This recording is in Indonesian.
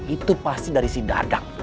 itu pasti dari si dadak